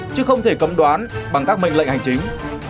chứ không thể cấm đoán bằng các mệnh lệnh hành chính